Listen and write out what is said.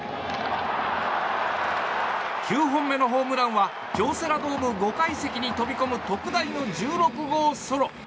９本目のホームランは京セラドーム５階席に飛び込む特大の１６号ソロ。